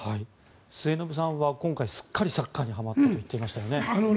末延さんは今回、すっかりサッカーにはまったと言ってましたよね。